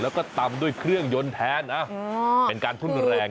แล้วก็ตำด้วยเครื่องยนต์แทนเป็นการทุ่นแรง